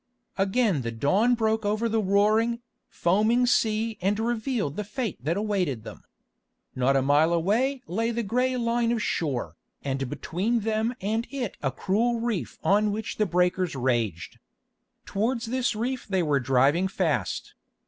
Again the dawn broke over the roaring, foaming sea and revealed the fate that awaited them. Not a mile away lay the grey line of shore, and between them and it a cruel reef on which the breakers raged. Towards this reef they were driving fast.